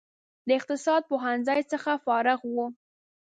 د اقتصاد پوهنځي څخه فارغ و.